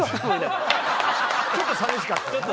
ちょっと寂しかったんだね。